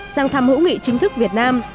sang thăm hữu nghị chính thức việt nam